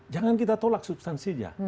jangan kita tolak substansinya